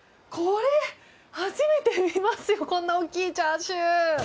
初めて見ますよこんな大きいチャーシュー。